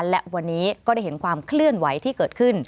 และวันนี้ก็ได้เห็นความเคลื่อนไหวที่เกิดขึ้น